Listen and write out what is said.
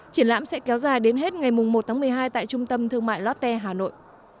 triển lãm sẽ kéo dài đến hết ngày một tháng một mươi hai tại trung tâm thương mại lotte hà nội